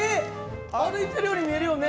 歩いてるように見えるよね。